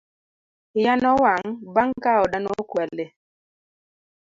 Iya nowang' bang' ka oda nokwale